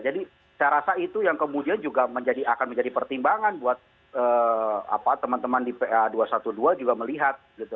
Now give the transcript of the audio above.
jadi saya rasa itu yang kemudian juga akan menjadi pertimbangan buat teman teman di pa dua ratus dua belas juga melihat